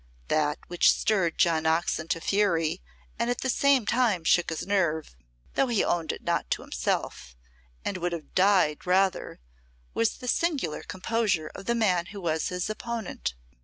That which stirred John Oxon to fury and at the same time shook his nerve, though he owned it not to himself, and would have died rather, was the singular composure of the man who was his opponent.